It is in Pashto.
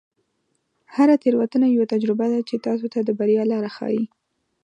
هره تیروتنه یوه تجربه ده چې تاسو ته د بریا لاره ښیي.